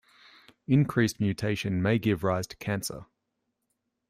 Increased mutation may give rise to cancer.